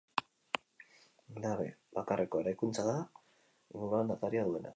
Nabe bakarreko eraikuntza da, inguruan ataria duena.